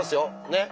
ねっ。